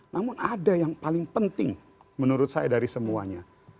namun ada yang paling penting menurut saya dari semuanya